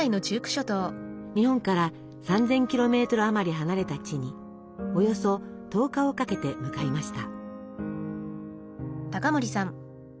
日本から３，０００ｋｍあまり離れた地におよそ１０日をかけて向かいました。